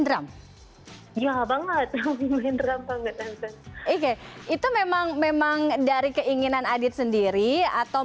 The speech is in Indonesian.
drum ya banget mungkin terlalu banget oke itu memang memang dari keinginan adit sendiri atau